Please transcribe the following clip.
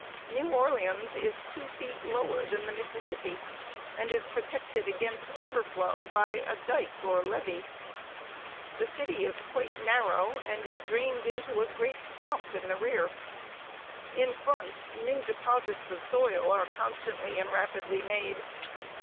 New Orleans is two feet lower than the Mississippi, and protected against overflow by a dike or levee. The city is quite narrow, and is drained into a great swamp in the rear. In front, new deposits of soil are constantly and rapidly made.